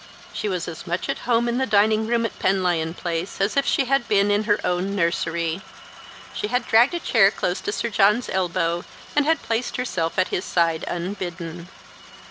She was as much at home in the dining room at Penlyon Place as if she had been in her own nursery. She had dragged a chair close to Sir John's elbow, and had placed herself at his side unbidden.